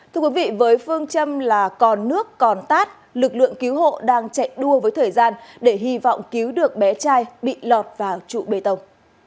thưa quý vị với phương châm là còn nước còn tát lực lượng cứu hộ đang chạy đua với thời gian để hy vọng cứu được bé trai bị lọt vào trụ bê tông